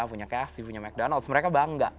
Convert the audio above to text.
punya kfc punya mcdonald's mereka bangga